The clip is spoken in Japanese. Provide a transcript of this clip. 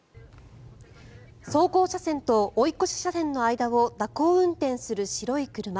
走行車線と追い越し車線の間を蛇行運転する白い車。